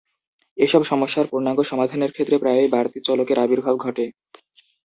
এসব সমস্যার পূর্ণাঙ্গ সমাধানের ক্ষেত্রে প্রায়ই বাড়তি চলকের আবির্ভাব ঘটে।